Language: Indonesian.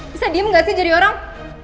bisa diem gak sih jadi orang